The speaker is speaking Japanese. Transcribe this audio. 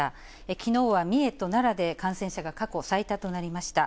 きのうは三重と奈良で感染者が過去最多となりました。